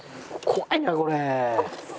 怖いなこれ。